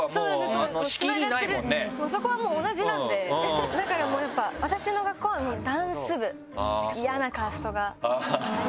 そこはもう同じなんでだからもうやっぱ私の学校はダンス部。